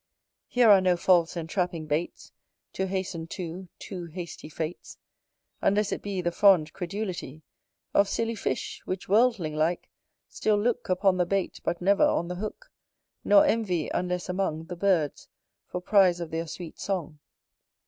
Here are no false entrapping baits, To hasten too, too hasty Fates, Unless it be The fond credulity Of silly fish, which worldling like, still look Upon the bait, but never on the hook; Nor envy, unless among The birds, for prize of their sweet song.